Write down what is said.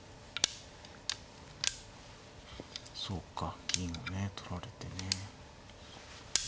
そうか銀をね取られてね。